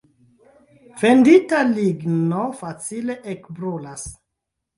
Fendita ligno facile ekbrulas.